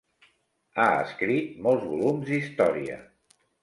Ha escrit molts volums d'història.